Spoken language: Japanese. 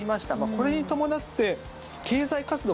これに伴って、経済活動